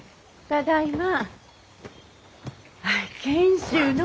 ただいま。